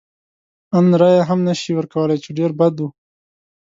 ان رایه هم نه شي ورکولای، چې ډېر بد و.